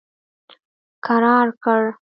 کرار کړ.